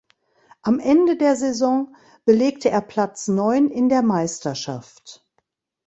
Am Ende der Saison belegte er Platz neun in der Meisterschaft.